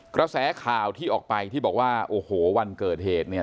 กระแสข่าวที่ออกไปที่บอกว่าโอ้โหวันเกิดเหตุเนี่ย